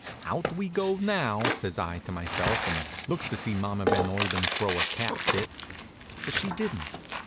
"Out we go now," says I to myself, and looks to see Mamma Van Urban throw a cat fit. But she didn't.